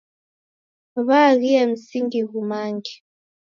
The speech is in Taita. W'aaghie msingi ghumange.